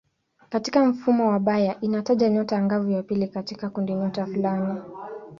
Katika mfumo wa Bayer inataja nyota angavu ya pili katika kundinyota fulani.